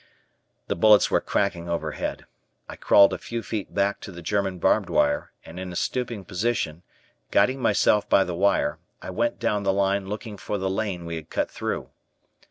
The bullets were cracking overhead. I crawled a few feet back to the German barbed wire, and in a stooping position, guiding myself by the wire, I went down the line looking for the lane we had cut through.